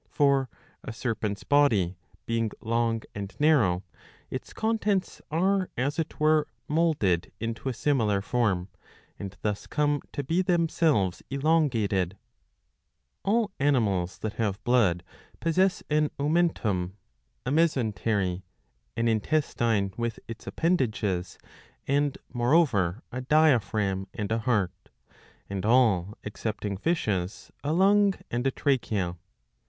For, a serpent's 676b. IV. I — IV. 2. '93 body being long and narrow, its contents are as it were moulded into a similar form, and thus come to be themselves elongatedJ All animals that have blood possess an omentum, a mesentery,^ an intestine with its appendages, and, moreover, a diaphragm and a heart ; and all, excepting fishes, a lung and a trachea.